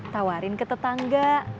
tawarin ke tetangga